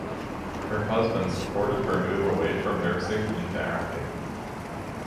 Her husband supported her move away from nursing into acting.